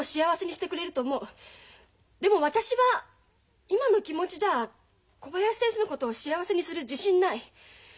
でも私は今の気持ちじゃ小林先生のことを幸せにする自信ない。